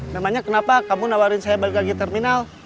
namanya kenapa kamu nawarin saya balik lagi terminal